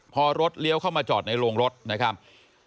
พอรถเลี้ยวเข้ามาจอดในโรงรถนะครับ